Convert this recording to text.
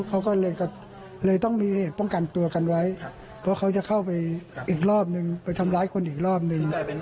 เขาก็เลยต้องมีเหตุป้องกันตัวกันไว้เพราะเขาจะเข้าไปอีกรอบนึงไปทำร้ายคนอีกรอบนึง